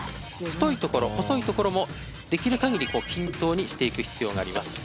太いところ細いところもできる限り均等にしていく必要があります。